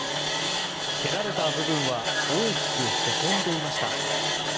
蹴られた部分は大きくへこんでいました。